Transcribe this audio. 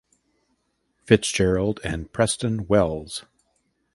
Fitzgerald and Preston Wells.